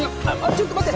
ちょっと待って！